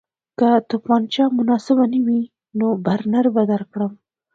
که توپانچه مناسبه نه وي نو برنر به درکړم